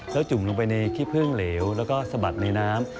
แล้วจุ่มลงไปในขี้พึ่งเหลวแล้วก็สะบัดในน้ำ